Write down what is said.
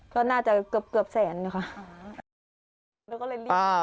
ก็น่าจะเกือบแสนค่ะ